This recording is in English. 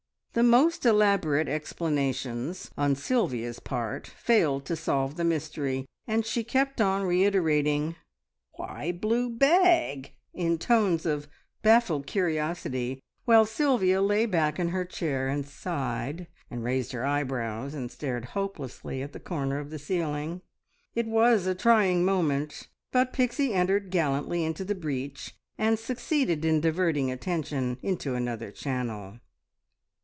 The most elaborate explanations on Sylvia's part failed to solve the mystery, and she kept on reiterating, "Why blue bag?" in tones of baffled curiosity, while Sylvia lay back in her chair and sighed, and raised her eyebrows and stared hopelessly at the corner of the ceiling. It was a trying moment, but Pixie entered gallantly into the breach, and succeeded in diverting attention into another channel.